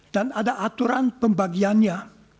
dan ada aturan pembagiannya